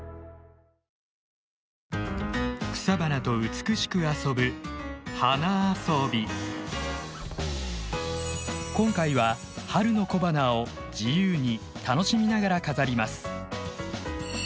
草花と美しく遊ぶ今回は春の小花を自由に楽しみながら飾ります。